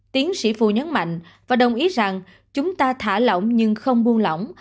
tiến sĩ phu nhấn mạnh và đồng ý rằng chúng ta thả lỏng nhưng không buông lỏng